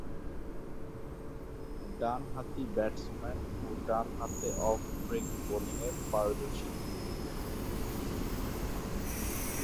ডানহাতি ব্যাটসম্যান ও ডানহাতে অফ ব্রেক বোলিংয়ে পারদর্শী তিনি।